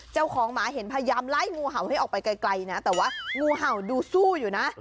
เจ้าของหมาเห็นพยายามไล่งูเห่าให้ออกไปไกลนะแต่ว่างูเห่าดูสู้อยู่นะ